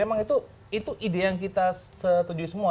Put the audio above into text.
emang itu ide yang kita setujui semua